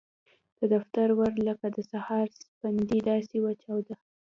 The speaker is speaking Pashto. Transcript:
د دفتر ور لکه د سهار سپېدې داسې وچاوده.